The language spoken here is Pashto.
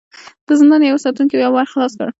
د زندان يوه ساتونکي يو ور خلاص کړ.